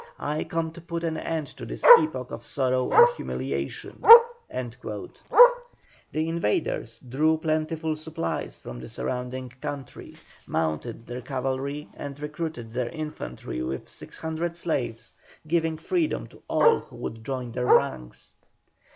I come to put an end to this epoch of sorrow and humiliation." The invaders drew plentiful supplies from the surrounding country, mounted their cavalry and recruited their infantry with 600 slaves, giving freedom to all who would join their ranks.